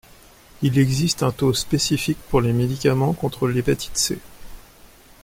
Il existe un taux spécifique pour les médicaments contre l’hépatite C.